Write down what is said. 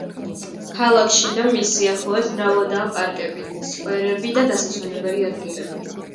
ქალაქში და მის სიახლოვეს მრავლადაა პარკები, სკვერები და დასასვენებელი ადგილები.